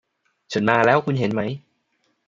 ฉันมาแล้ว คุณเห็นไหม